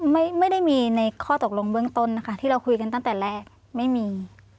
ไม่ได้มีในข้อตกลงเบื้องต้นนะคะที่เราคุยกันตั้งแต่แรกไม่มี